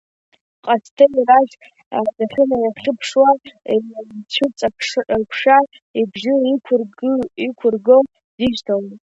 Ҟасҭеи Рашь дахьынеихьыԥшуа, инцәыҵакшәа ибжьы иқәырга-иқәырго дишьҭалоит.